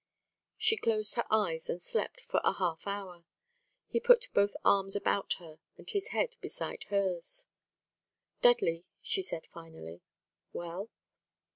She closed her eyes, and slept for a half hour. He put both arms about her and his head beside hers. "Dudley," she said, finally. "Well?"